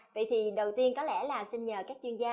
vậy thì đầu tiên có lẽ là xin nhờ các chuyên gia